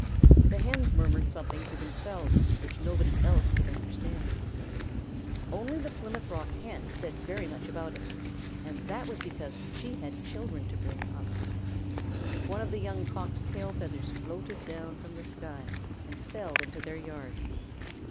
The Hens murmured something to themselves which nobody else could understand. Only the Plymouth Rock Hen said very much about it, and that was because she had children to bring up. One of the Young Cock's tail feathers floated down from the sky and fell into their yard.